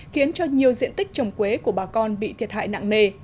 khiến cho nhiều diện tích trồng quế của bà con bị thiệt hại nặng nề